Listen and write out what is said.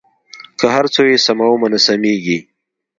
که هر څو یې سمومه نه سمېږي.